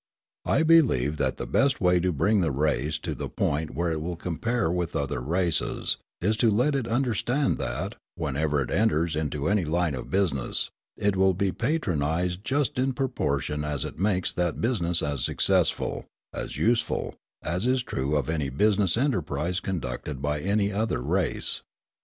I believe that the best way to bring the race to the point where it will compare with other races is to let it understand that, whenever it enters into any line of business, it will be patronised just in proportion as it makes that business as successful, as useful, as is true of any business enterprise conducted by any other race.